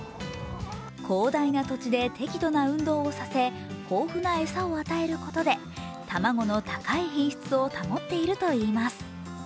広大な土地で適度な運動をさせ豊富な餌を与えることで卵の高い品質を保っているといいます。